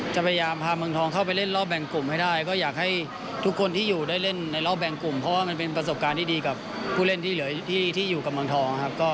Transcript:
พยายามพาเมืองทองเข้าไปเล่นรอบแบ่งกลุ่มให้ได้ก็อยากให้ทุกคนที่อยู่ได้เล่นในรอบแบ่งกลุ่มเพราะว่ามันเป็นประสบการณ์ที่ดีกับผู้เล่นที่เหลือที่อยู่กับเมืองทองครับ